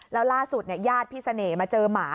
แล้วล่าสุดญาติพี่เสน่ห์มาเจอหมา